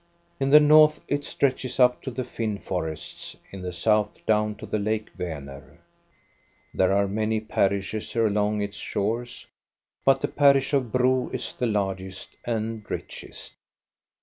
In the north it stretches up to the Finn forests, in the south down to the lake Vaner. There are many parishes along its shores, but the parish of Bro is the largest and richest.